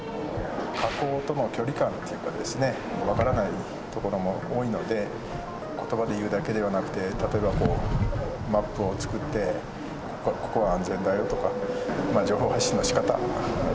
火口との距離感というかですね、分からないところも多いので、ことばで言うだけではなくて、例えばマップを作って、ここは安